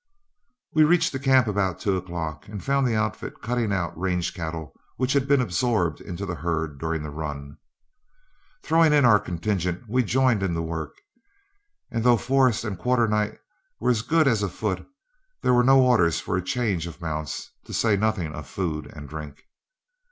We reached the camp about two o'clock, and found the outfit cutting out range cattle which had been absorbed into the herd during the run. Throwing in our contingent, we joined in the work, and though Forrest and Quarternight were as good as afoot, there were no orders for a change of mounts, to say nothing of food and drink.